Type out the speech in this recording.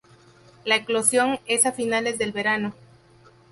La eclosión es a finales del verano.